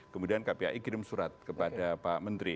kemudian kpai kirim surat kepada pak menteri